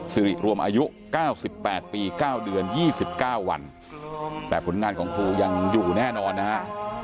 สิริรวมอายุ๙๘ปี๙เดือน๒๙วันแต่ผลงานของครูยังอยู่แน่นอนนะฮะ